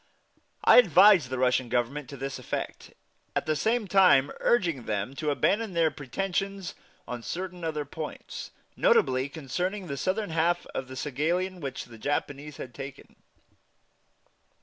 I advised the Russian Government to this effect, at the same time urging them to abandon their pretensions on certain other points, notably concerning the southern half of Saghalien, which the Japanese had taken.